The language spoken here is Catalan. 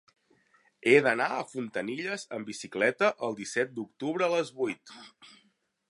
He d'anar a Fontanilles amb bicicleta el disset d'octubre a les vuit.